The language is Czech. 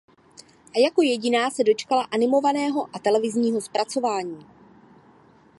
A jako jediná se dočkala animovaného a televizního zpracování.